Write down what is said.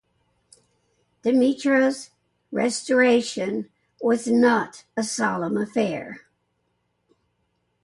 Demetros' restoration was not a solemn affair.